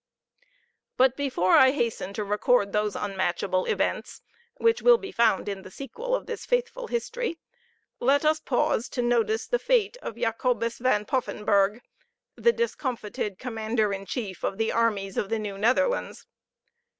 But before I hasten to record those unmatchable events, which will be found in the sequel of this faithful history, let us pause to notice the fate of Jacobus Van Poffenburgh, the discomfited commander in chief of the armies of the New Netherlands.